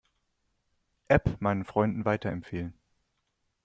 App meinen Freunden weiterempfehlen.